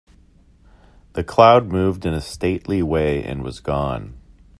The cloud moved in a stately way and was gone.